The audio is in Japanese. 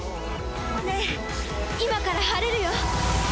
ねえ、今から晴れるよ。